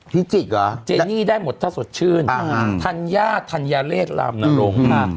พิจิกส์เหรอเจนีได้หมดถ้าสดชื่นธัญญาเลิศลามเหนาลง